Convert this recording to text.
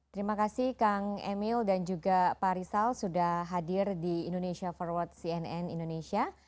terima kasih kang emil dan juga pak rizal sudah hadir di indonesia forward cnn indonesia